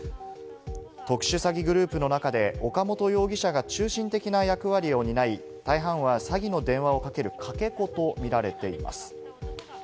特殊詐欺グループの中で岡本容疑者が中心的な役割を担い、大半は詐欺の電話をかける、かけ子とみられています。